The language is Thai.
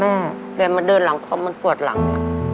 แม่เธอมาเดินหลังเข้ามันปวดหลังเนี่ย